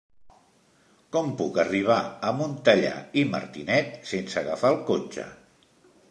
Com puc arribar a Montellà i Martinet sense agafar el cotxe?